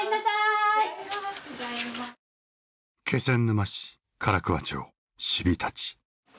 気仙沼市唐桑町鮪立。